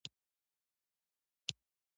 خوړل د کوچني ماشوم ژړا بنده وي